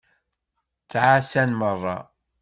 Ttɛasan meṛṛa.